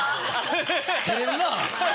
照れるなぁ。